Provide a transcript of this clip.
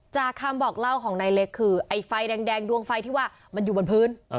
จากคำบอกเล่าของนายเล็กคือไอ้ไฟแดงดวงไฟที่ว่ามันอยู่บนพื้น